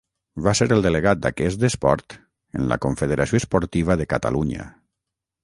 Va ser el delegat d'aquest esport en la Confederació Esportiva de Catalunya.